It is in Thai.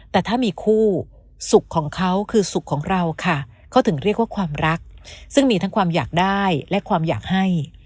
แต่ถ้ามีคู่สุขของเขาคือสุขของเราค่ะเขาถึงเรียกว่าความรักซึ่งมีทั้งความอยากได้และความอยากให้